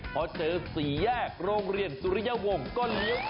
พอเจอสี่แยกโรงเรียนสุริยวงศ์ก็เลี้ยว